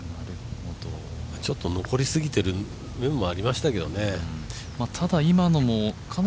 ちょっと残りすぎている部分もありましたけどね。